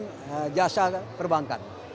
dengan jasa perbankan